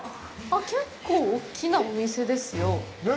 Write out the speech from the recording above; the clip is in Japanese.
結構大きなお店ですよ。